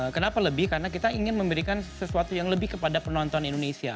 kenapa lebih karena kita ingin memberikan sesuatu yang lebih kepada penonton indonesia